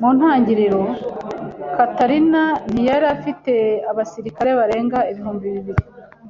Mu ntangiriro, Catalina ntiyari ifite abasirikare barenga ibihumbi bibiri.